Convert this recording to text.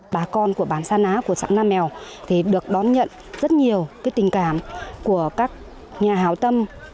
bà con của bản sa ná của xã na nèo được đón nhận rất nhiều tình cảm của các nhà hào tâm